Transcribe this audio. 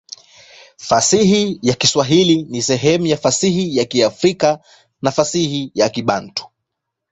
Fasihi ya Kiswahili ni sehemu ya fasihi ya Kiafrika na fasihi ya Kibantu.